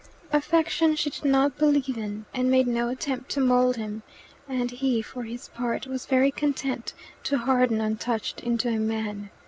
Affection she did not believe in, and made no attempt to mould him; and he, for his part, was very content to harden untouched into a man.